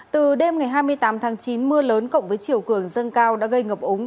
từ đêm ngày hai mươi tám tháng chín mưa lớn cộng với chiều cường dâng cao đã gây ngập ống